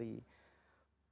saya masih menjadi seorang santri